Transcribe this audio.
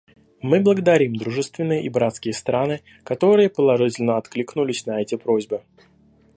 Мы благодарим дружественные и братские страны, которые положительно откликнулись на эти просьбы.